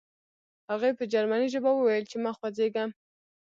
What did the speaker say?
هغې په جرمني ژبه وویل چې مه خوځېږه